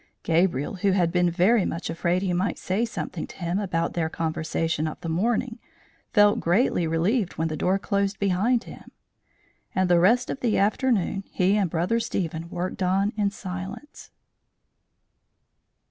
Gabriel, who had been very much afraid he might say something to him about their conversation of the morning, felt greatly relieved when the door closed behind him; and the rest of the afternoon he and Brother Stephen worked on in silence.